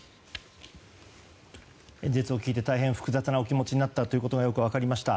演説を聞いて大変、複雑な気持ちになったということがよく分かりました。